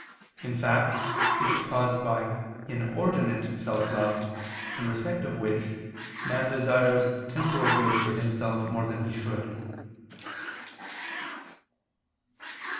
In fact, it is caused by inordinate self love, in respect of which, man desires temporal goods for himself more than he should.